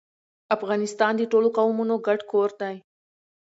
افغانستان د ټولو قومونو ګډ کور دی.